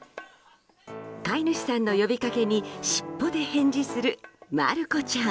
飼い主さんの呼びかけに尻尾で返事する、まる子ちゃん。